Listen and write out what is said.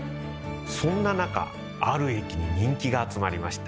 そんな中ある駅に人気が集まりました。